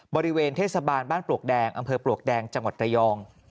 บริเวณเทศบาลบ้านปลวกแดงอำเภอปลวกแดงจังหวัดระยอง